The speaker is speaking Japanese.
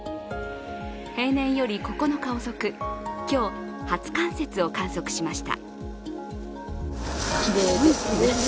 平年より９日遅く今日、初冠雪を観測しました。